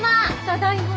ただいま。